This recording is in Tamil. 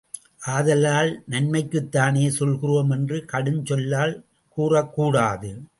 ஆதலால், நன்மைக்குத்தானே சொல்கிறோம் என்று கடுஞ்சொல்லால் கூறக்கூடாது.